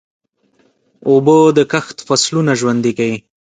اوبه د کښت فصلونه ژوندي کوي.